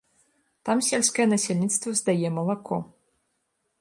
Там сельскае насельніцтва здае малако.